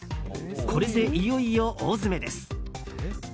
これでいよいよ大詰めです。